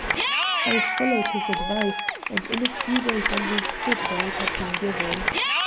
I followed his advice and in a few days understood why it had been given.